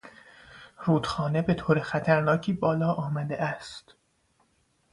رودخانه به طور خطرناکی بالا آمده است.